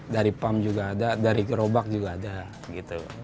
dari pam juga ada dari gerobak juga ada